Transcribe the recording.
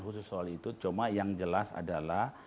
khusus soal itu cuma yang jelas adalah